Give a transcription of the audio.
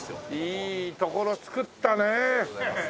いいところ作ったね！